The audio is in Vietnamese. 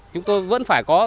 chúng tôi vẫn phải có